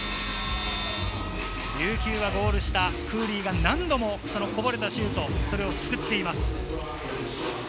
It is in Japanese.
琉球はゴール下、クーリーが何度も、そのこぼれたシュートを救っています。